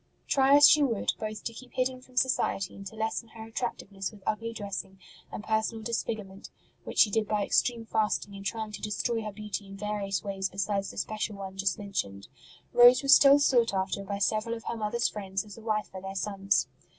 Try as she would, both to keep hidden from society and to lessen her attractiveness with ugly dressing and personal disfigurement (which she did by extreme fasting, and trying to destroy her beauty in various ways besides the special one just mentioned), Rose was still sought after by several of her mother s friends as a wife for their sons.